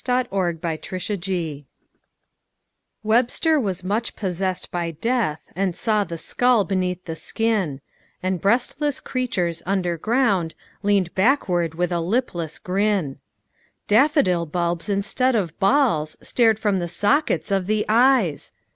Whispers of Immortality Webster was much possessed by death And saw the skull beneath the skin; And breastless creatures under ground Leaned backward with a lipless grin. Daffodil bulbs instead of balls Stared from the sockets of the eyes!